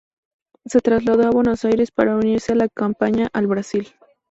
Se trasladó a Buenos Aires para unirse a la campaña al Brasil.